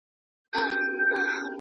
سازمانونه د بیان ازادۍ لپاره څه کوي؟